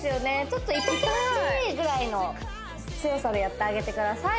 ちょっと痛きもちいいぐらいの強さでやってあげてください